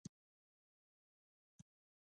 مصنوعي ځیرکتیا د فلسفې نوې پوښتنې راپورته کوي.